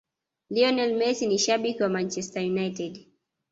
Lionel Messi ni shabiki wa Manchester United